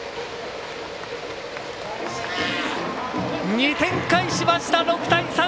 ２点返しました、６対３！